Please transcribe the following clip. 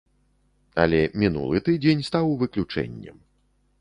Але мінулы тыдзень стаў выключэннем.